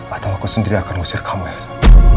atau aku sendiri yang akan ngusir kamu elsa